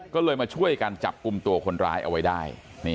ก็เลยมาช่วยกันจับกลุ่มตัวคนร้ายเอาไว้ได้